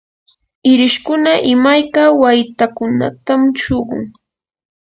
irishkuna imayka waytakunatam shuqun.